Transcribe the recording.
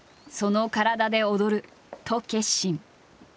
その体で踊ると決心。